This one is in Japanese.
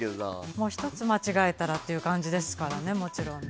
もう一つ間違えたらという感じですからねもちろんね。